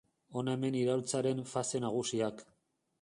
Hona hemen iraultzaren fase nagusiak.